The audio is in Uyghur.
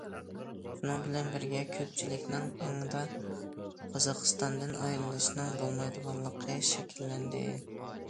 شۇنىڭ بىلەن بىرگە كۆپچىلىكنىڭ ئېڭىدا قازاقىستاندىن ئايرىلىشنىڭ بولمايدىغانلىقى شەكىللەندى.